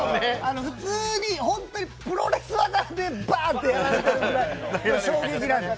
普通に本当にプロレス技でばーんとやられてるぐらいの衝撃なんです。